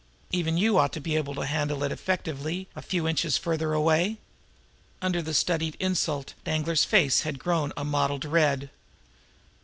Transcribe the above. Even you ought to be able to handle it effectively a few inches farther away." Under the studied insult Danglar's face had grown a mottled red.